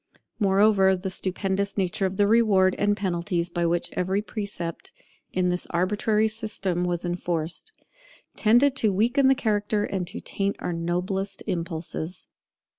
Moreover, the stupendous nature of the rewards and penalties by which every precept in this arbitrary system was enforced, tended to weaken the character and to taint our noblest impulses.